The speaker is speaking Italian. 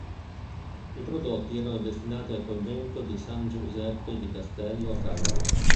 I prodotti erano destinati al convento San Giuseppe di Castello a Cagliari.